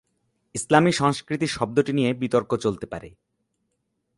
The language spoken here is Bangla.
ইসলামি সংস্কৃতি শব্দটি নিয়ে বিতর্ক চলতে পারে।